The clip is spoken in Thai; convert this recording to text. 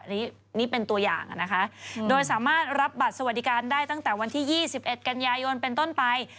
อันนี้นี่เป็นตัวอย่างนะคะโดยสามารถรับบัตรสวัสดิการได้ตั้งแต่วันที่๒๑กันยายนเป็นต้นไป